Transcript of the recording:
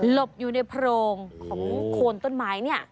บอยู่ในโพรงของโคนต้นไม้เนี่ย